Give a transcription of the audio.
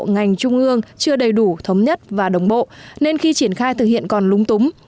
ngành trung ương chưa đầy đủ thống nhất và đồng bộ nên khi triển khai thực hiện còn lúng túng